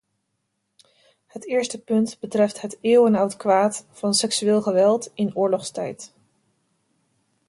Het eerste punt betreft het eeuwenoud kwaad van seksueel geweld in oorlogstijd.